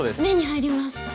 目に入ります。